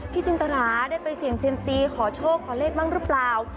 จินตราได้ไปเสี่ยงเซียมซีขอโชคขอเลขบ้างหรือเปล่า